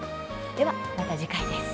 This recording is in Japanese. ではまた次回です。